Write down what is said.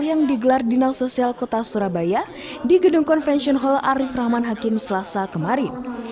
yang digelar dina sosial kota surabaya di gedung convention hall arief rahman hakim selasa kemarin